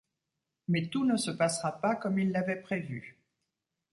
Mais tout ne se passera pas comme il l'avait prévu…